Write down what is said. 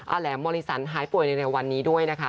แหลมมริสันหายป่วยในเร็ววันนี้ด้วยนะคะ